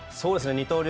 二刀流